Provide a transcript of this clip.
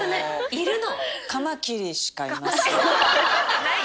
いるの。